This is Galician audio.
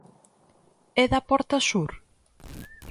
E da porta sur?